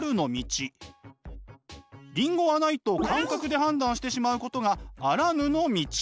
リンゴはないと感覚で判断してしまうことがあらぬの道。